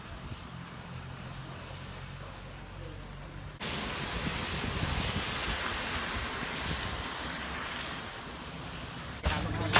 สวัสดีครับคุณผู้ชาย